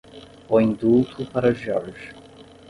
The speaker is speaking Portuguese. O indulto para George.